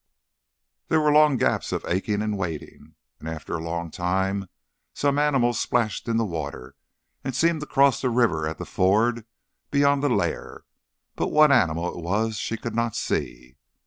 There were long gaps of aching waiting. After a long time some animal splashed in the water, and seemed to cross the river at the ford beyond the lair, but what animal it was she could not see.